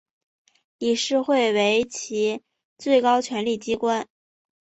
理事会为其最高权力机关。